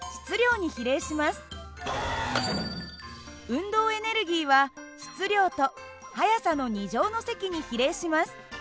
運動エネルギーは質量と速さの２乗の積に比例します。